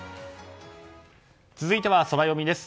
続いてはソラよみです。